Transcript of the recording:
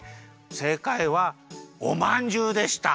せいかいはおまんじゅうでした。